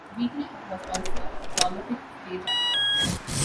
Wheatley was also a prolific stage actor.